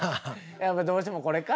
やっぱどうしてもこれか。